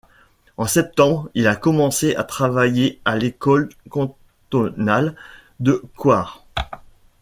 En septembre, il a commencé à travailler à l'école cantonale de Coire.